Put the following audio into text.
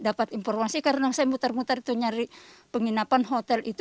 dapat informasi karena saya muter muter itu nyari penginapan hotel itu